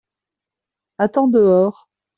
Attends dehors.